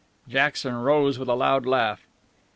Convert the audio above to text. Jackson rose with a loud laugh.